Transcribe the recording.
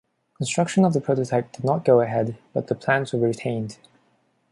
Construction of the prototype did not go ahead, but the plans were retained.